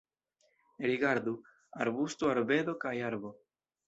Rigardu: arbusto, arbedo kaj arbo.